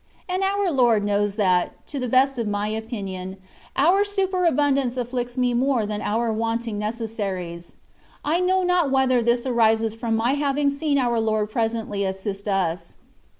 And our Lord knows that, to the best of my opinion, our superabundance afflicts me more than our want ing necessaries. I know not whether this arises from my having seen our Lord presently assist us.